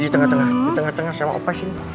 di tengah tengah sama opa sini